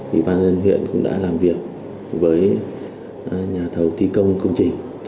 ủy ban dân huyện cũng đã làm việc với nhà thầu thi công công trình